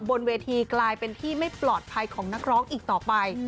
บนเวทีกลายเป็นที่ไม่ปลอดภัยของนักร้องอีกต่อไป